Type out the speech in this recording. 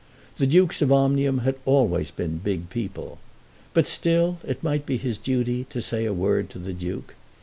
The Dukes of Omnium had always been big people. But still it might be his duty to say a word to the Duke.